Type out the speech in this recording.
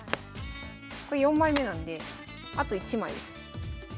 これ４枚目なんであと１枚です。